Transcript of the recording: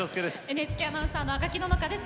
ＮＨＫアナウンサー赤木野々花です。